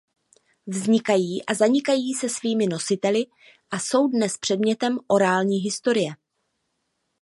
Vznikají a zanikají se svými nositeli a jsou dnes předmětem orální historie.